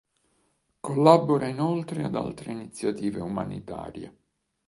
Collabora inoltre ad altre iniziative umanitarie.